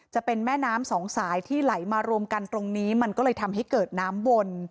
จะเป็นแม่น้ำสองสายที่ไหลมารวมกันตรงนี้มันก็เลยทำให้เกิดน้ำวน